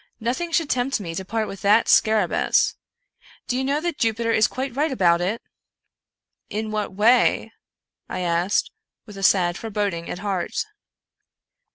Nothing should tempt me to part with that scarabcciis. Do you know that Jupiter is quite right about it ?"" In what way ?" I asked, with a sad foreboding at heart.